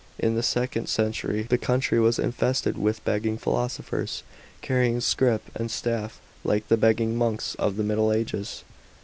In the second century the country was infested with begging philosophers, carrying scrip and staff like the begging monks of the Middle Ages.